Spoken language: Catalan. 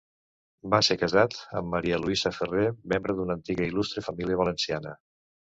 Va ser casat amb Maria Lluïsa Ferrer, membre d'una antiga i il·lustre família valenciana.